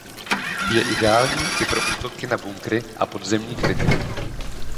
Je ideální i pro útoky na bunkry a podzemní kryty.